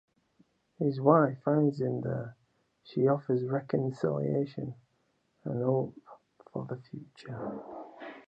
His wife finds him there; she offers reconciliation, and hope for the future.